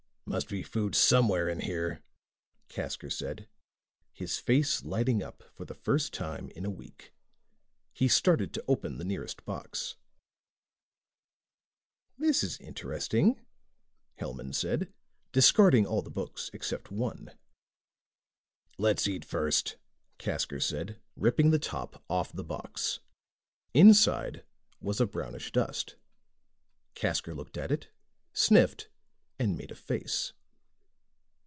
"Must be food somewhere in here," Casker said, his face lighting up for the first time in a week. He started to open the nearest box. "This is interesting," Hellman said, discarding all the books except one. "Let's eat first," Casker said, ripping the top off the box. Inside was a brownish dust. Casker looked at it, sniffed, and made a face.